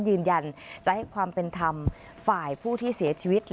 ยืนยันจะให้ความเป็นธรรมฝ่ายผู้ที่เสียชีวิต